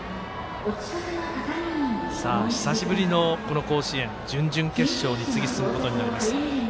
久しぶりの甲子園、準々決勝に次、進むことになります。